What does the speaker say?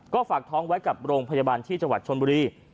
ก็ฝากท้องไว้กับโรงพยาบาลที่จังหวัดชนบุรี